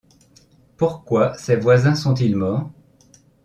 Pourquoi ses voisins sont-ils morts?